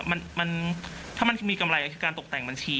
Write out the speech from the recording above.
มันถ้ามันมีกำไรก็คือการตกแต่งบัญชี